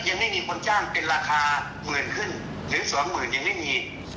ถึงได้มีวันนี้สามเพลงให้อามมาร้องรอลำไยแต่งตัวเสร็จ